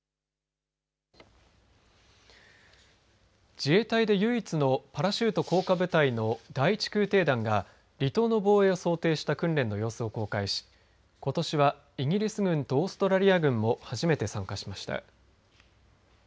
自衛隊で唯一のパラシュート降下部隊の第１空挺団が離島の防衛を想定した訓練の様子を公開しことしはイギリス軍とオーストラリア軍も初めて参加しました。